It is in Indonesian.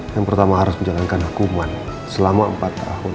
yang pertama harus menjalankan hukuman selama empat tahun